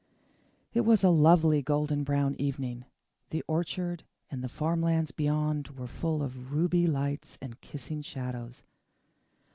It was a lovely, golden brown evening; the orchard, and the farm lands beyond, were full of ruby lights and kissing shadows.